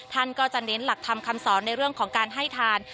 ท่านก็จะเน้นหลักธรรมคำสอนในเรื่องของการให้ทาน